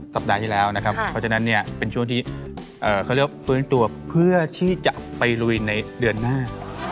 สัปดาห์ที่แล้วนะครับเพราะฉะนั้นเนี่ยเป็นช่วงที่เขาเรียกว่าฟื้นตัวเพื่อที่จะไปลุยในเดือนหน้า